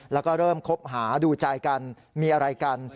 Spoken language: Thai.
แล้วก็เริ่มคบหาดูใจกันมีอะไรกัน